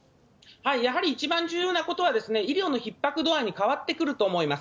やはり一番重要なことは、医療のひっ迫度合いに変わってくると思います。